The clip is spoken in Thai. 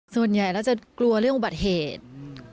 ส่วนใหญ่เราจะกลัวเรื่องอุบัติเหตุ